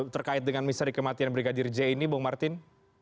terkait dengan misteri kematian brigadir j ini bung martin